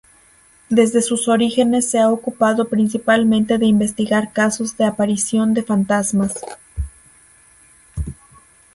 Desde sus orígenes se ha ocupado principalmente de investigar casos de aparición de fantasmas.